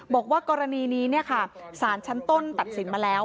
บอกว่ากรณีนี้สารชั้นต้นตัดสินมาแล้ว